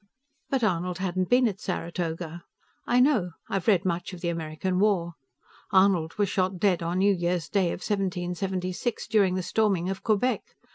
But Arnold hadn't been at Saratoga. I know; I have read much of the American War. Arnold was shot dead on New Year's Day of 1776, during the storming of Quebec.